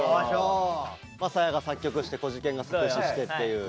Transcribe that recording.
晶哉が作曲してこじけんが作詞してっていうね。